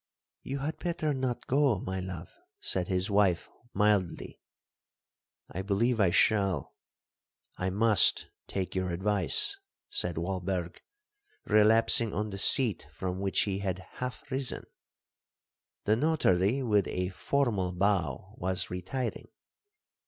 'You had better not go, my love,' said his wife mildly. 'I believe I shall—I must take your advice,' said Walberg, relapsing on the seat from which he had half risen. The notary, with a formal bow, was retiring.